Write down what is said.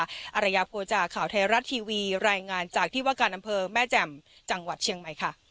อารยาโภจาข่าวไทยรัฐทีวีรายงานจากที่ว่าการอำเภอแม่แจ่มจังหวัดเชียงใหม่ค่ะ